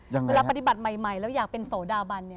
เวลาปฏิบัติใหม่แล้วอยากเป็นโสดาบันเนี่ย